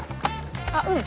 あっうん。